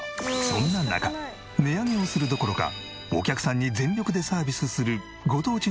そんな中値上げをするどころかお客さんに全力でサービスするご当地